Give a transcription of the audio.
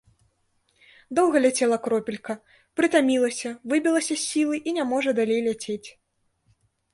Доўга ляцела кропелька, прытамілася, выбілася з сілы і не можа далей ляцець.